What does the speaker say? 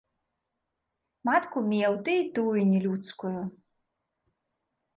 Матку меў ды і тую не людскую.